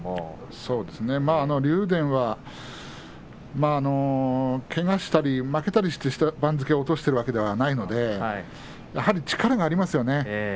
そうですね、竜電はけがしたり負けたりして番付を落としているわけではないので、やはり力がありますよね。